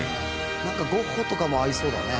なんかゴッホとかも合いそうだね